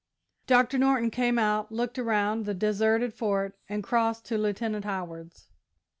Doctor Norton came out, looked around the deserted Fort, and crossed to Lieutenant Howard's.